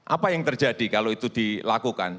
apa yang terjadi kalau itu dilakukan